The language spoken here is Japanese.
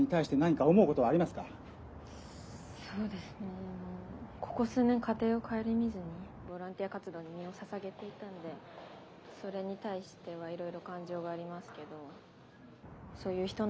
そうですね「ボランティア活動に身をささげていたのでそれに対してはいろいろ感情がありますけど」。